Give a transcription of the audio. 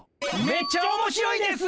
めっちゃ面白いです。